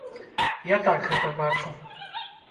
Я так гэта бачу.